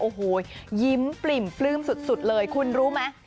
โอ้โหยิ้มปริ่มปลื้มสุดเลยคุณรู้ไหม